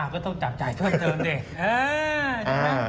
ก็ต้องจับจ่ายเพิ่มเติมดิ